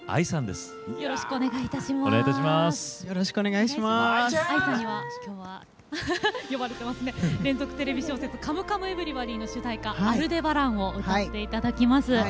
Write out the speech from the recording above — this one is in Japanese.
ＡＩさんには連続テレビ小説「カムカムエヴリバディ」の主題歌「アルデバラン」を歌っていただきます。